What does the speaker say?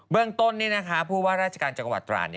เบื้องต้นนี่นะคะพูดว่าราชการจังหวัดตราด